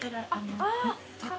あっ。